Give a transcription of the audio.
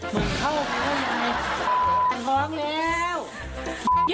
มึงเข้าไปได้ยังไงขาท้องแล้ว